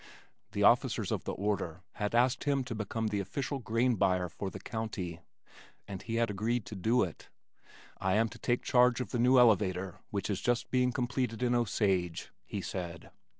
The officers of the order had asked him to become the official grain buyer for the county, and he had agreed to do it. "I am to take charge of the new elevator which is just being completed in Osage," he said.